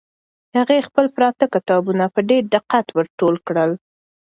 هغې خپل پراته کتابونه په ډېر دقت ور ټول کړل.